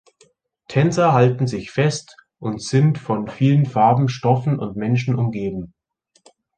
Tänzer halten sich fest und sind von vielen Farben, Stoffen und Menschen umgeben.